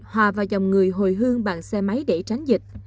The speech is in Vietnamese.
hòa vào dòng người hồi hương bằng xe máy để tránh dịch